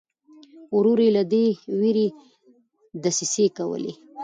ورور یې له دې وېرې دسیسې کولې.